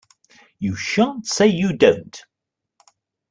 You shan't say you don't.